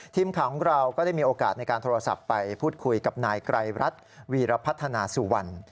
ทีมข่าวของเราก็ได้มีโอกาสในการโทรศัพท์ไปพูดคุยกับนายไกรรัฐวีรพัฒนาสุวรรณ